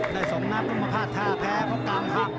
ได้๒นับก็มาพลาดแท้แพ้เพราะกามคลับ